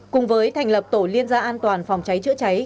cùng với thành lập tổ liên gia an toàn phòng cháy chữa cháy